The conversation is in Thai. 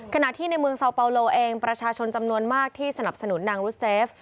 ขณะที่ในเมืองซาวเปาโลเองประชาชนจำนวนมากที่สนับสนุนนางรุเซฟ